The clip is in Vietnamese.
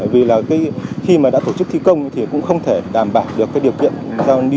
vì khi đã tổ chức thi công thì cũng không thể đảm bảo được điều kiện